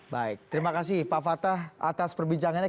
baik terima kasih pak fatah atas perbincangannya